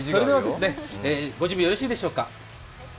ご準備よろしいでしょうか。